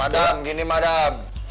madam gini madam